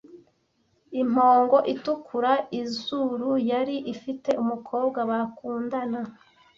impongo itukura izuru yari ifite umukobwa bakundana